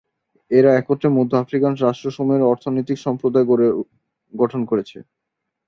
এরা একত্রে মধ্য আফ্রিকান রাষ্ট্রসমূহের অর্থনৈতিক সম্প্রদায় গঠন করেছে।